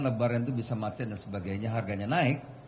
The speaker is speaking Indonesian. lebaran itu bisa macet dan sebagainya harganya naik